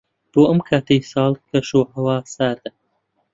بۆ ئەم کاتەی ساڵ، کەشوهەوا ساردە.